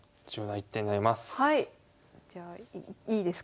じゃあいいですか？